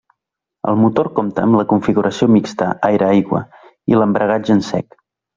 El motor compta amb la configuració mixta aire-aigua i l'embragatge en sec.